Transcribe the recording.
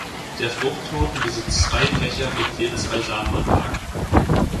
Der Fruchtknoten besitzt zwei Fächer mit je zwei Samenanlagen.